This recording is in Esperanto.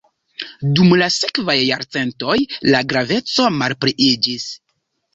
Dum la sekvaj jarcentoj la graveco malpliiĝis.